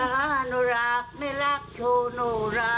ป๋าอนุรักได้รักชว์โนระ